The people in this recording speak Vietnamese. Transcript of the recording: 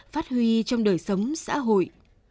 phát huy trong đời sống xã hội